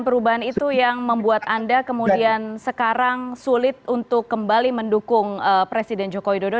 perubahan itu yang membuat anda kemudian sekarang sulit untuk kembali mendukung presiden joko widodo